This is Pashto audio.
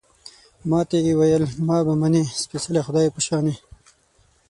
ما ته يې ویل، ما به منې، سپېڅلي خدای په شانې